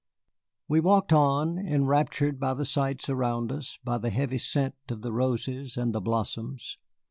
We walked on, enraptured by the sights around us, by the heavy scent of the roses and the blossoms.